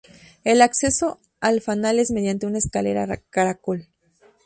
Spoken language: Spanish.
El acceso al fanal es mediante una escalera caracol.